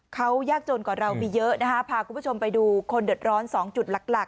เขายากจนกว่าเราไปเยอะพาไปดูคนเดิดร้อน๒จุดหลัก